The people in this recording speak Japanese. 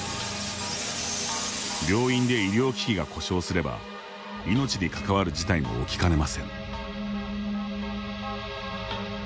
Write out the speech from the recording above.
病院で医療機器が故障すれば命に関わる事態も起きかねません。